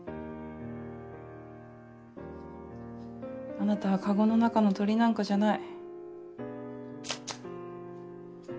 あなたはカゴの中の鳥なんかじゃない。